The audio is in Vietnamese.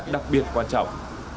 đặc biệt quan trọng